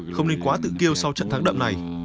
không nên quá tự kêu sau trận thắng đậm này